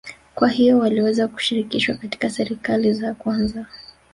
kwa hiyo waliweza kushirikishwa katika serikali za kwanza